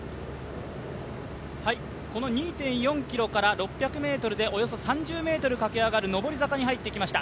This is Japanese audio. ２．４ｋｍから６００ｍでおよそ３０ｍ駆け上がる上り坂に入ってきました。